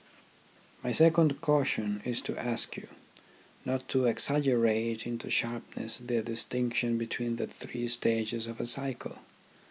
My second caution is to ask you not to exagger ate into sharpness the distinction between the three stages of a cycle.